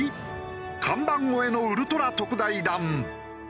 看板越えのウルトラ特大弾。